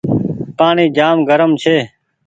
پآڻيٚ جآم گرم ڇي۔